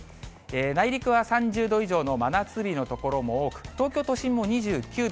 内陸は３０度以上の真夏日の所も多く、東京都心も２９度。